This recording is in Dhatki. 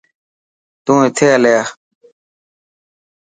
تون اٿي هليا.